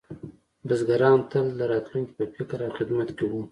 بزګران تل د راتلونکي په فکر او خدمت کې وو.